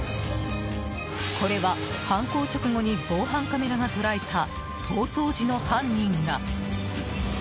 これは犯行直後に防犯カメラが捉えた逃走時の犯人ら。